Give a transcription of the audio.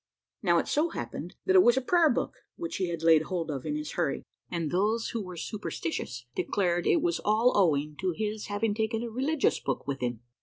Now it so happened that it was a prayer book which he had laid hold of in his hurry, and those who were superstitious declared it was all owing to his having taken a religious book with him.